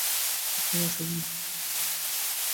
একটাও আসল না।